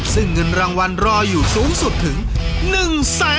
ซึ่งเงินรางวัลรออยู่สูงสุดถึง๑๐๐๐๐๐บาท